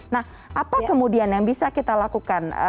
nah apa kemudian yang bisa kita lakukan